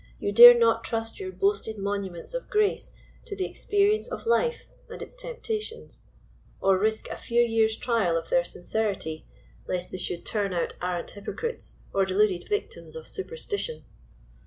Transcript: You dare not trust your boasted 'monuments of grace to the experience of life and its tempta tions^orrisk a few years trial of their sincerity, lest they should turn out arrant hypocrites or deluded victims of superstition?'